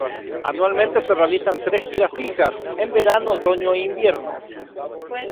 Anualmente se realizan tres giras fijas: en verano, otoño e invierno.